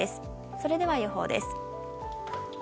それでは予報です。